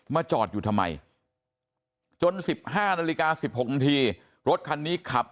จอดอยู่ทำไมจน๑๕นาฬิกา๑๖นาทีรถคันนี้ขับ